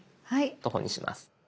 「徒歩」にします。